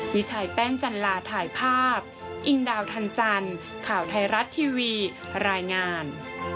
วิชัยแป้งจันลาถ่ายภาพอิงดาวทันจันทร์ข่าวไทยรัฐทีวีรายงาน